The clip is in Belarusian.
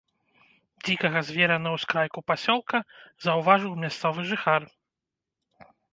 Дзікага звера на ўскрайку пасёлка заўважыў мясцовы жыхар.